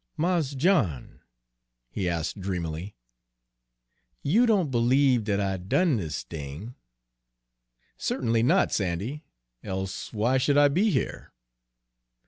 "Mars John," he asked dreamily, "you don' b'lieve dat I done dis thing?" "Certainly not, Sandy, else why should I be here?"